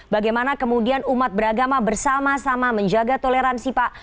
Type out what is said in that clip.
bagaimana kemudian umat beragama bersama sama menjaga toleransi pak